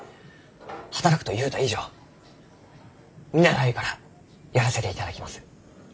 「働く」と言うた以上見習いからやらせていただきます。